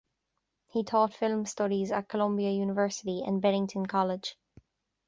He taught film studies at Columbia University and Bennington College.